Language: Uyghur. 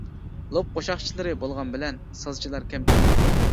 لوپ قوشاقچىلىرى بولغان بىلەن، سازچىلار كەمچىل ئىدى.